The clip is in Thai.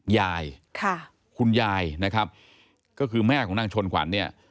ยายค่ะคุณยายนะครับก็คือแม่ของนางชนขวัญเนี่ย